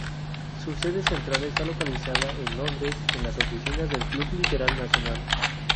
Su sede central está localizada en Londres, en las oficinas del Club Liberal Nacional.